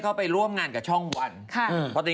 เขาไปเล่นละครด้วย